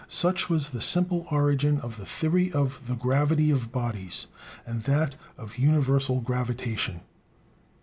Such was the simple origin of the theory of the gravity of bodies, and that of universal gravitation.